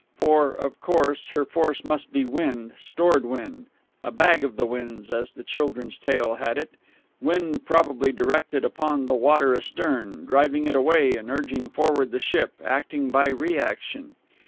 For, of course, her force must be wind stored wind a bag of the winds, as the children's tale had it wind probably directed upon the water astern, driving it away and urging forward the ship, acting by reaction.